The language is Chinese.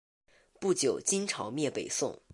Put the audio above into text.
不久金朝灭北宋。